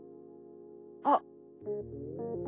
あっ。